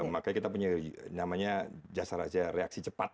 makanya kita punya namanya jasa raja reaksi cepat